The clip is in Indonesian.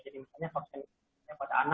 jadi makanya vaksin ini yang pada anda